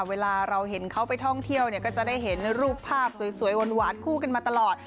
เวลาเราเห็นเขาไปท่องเที่ยวเนี่ยก็จะได้เห็นรูปภาพสวยหวานคู่กันมาตลอด